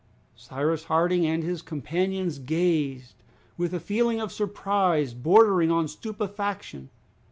Cyrus Harding and his companions gazed, with a feeling of surprise bordering on stupefaction.